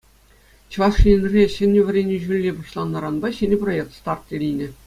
Чӑваш Енре ҫӗнӗ вӗренӳ ҫулӗ пуҫланнӑранпа ҫӗнӗ проект старт илнӗ.